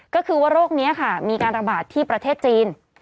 ก็คือว่าโรคนี้ค่ะมีการระบาดที่ประเทศจีน